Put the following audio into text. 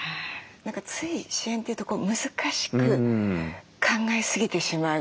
何かつい支援というと難しく考えすぎてしまう。